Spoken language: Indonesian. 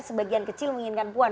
sebagian kecil menginginkan puan